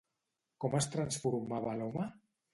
Com es transformava l'home?